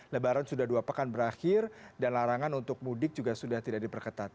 lebaran sudah dua pekan berakhir dan larangan untuk mudik juga sudah tidak diperketat